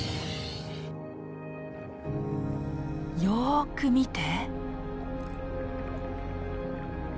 よく見て。